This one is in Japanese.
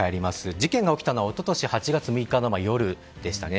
事件が起きたのは一昨年８月６日の夜でした。